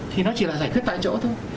thì nó chỉ là giải quyết tại chỗ thôi